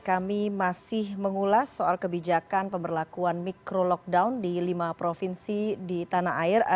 kami masih mengulas soal kebijakan pemberlakuan mikro lockdown di lima provinsi di tanah air